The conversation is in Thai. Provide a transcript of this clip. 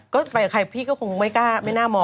ก็ไปกับใครพี่ก็คงไม่กล้าไม่น่ามอง